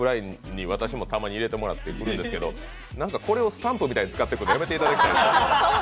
ＬＩＮＥにたまに入れてもらってることがあるんですけどなんかこれをスタンプみたいに使ってくるのやめてもらいたい。